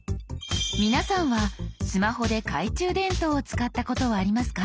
皆さんはスマホで懐中電灯を使ったことはありますか？